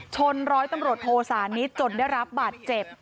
ชนร้อยตำรวจโทสานิทจนได้รับบาดเจ็บ